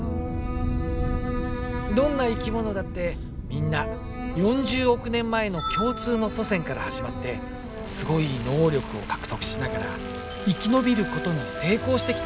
どんな生き物だってみんな４０億年前の共通の祖先から始まってすごい能力を獲得しながら生きのびることに成功してきた。